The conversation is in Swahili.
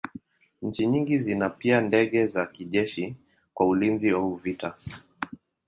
Nchi nyingi zina pia ndege za kijeshi kwa ulinzi au vita.